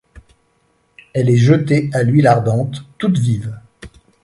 Elle est jetée à l’huile ardente, toute vive !